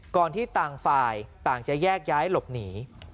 ที่ต่างฝ่ายต่างจะแยกย้ายหลบหนี